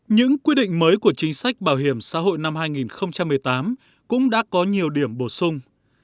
những quy định mới của chính sách bảo hiểm xã hội năm hai nghìn một mươi tám cũng đã có nhiều điểm bổ sung